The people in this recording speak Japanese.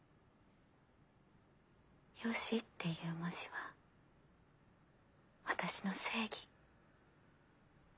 義っていう文字は私の正義。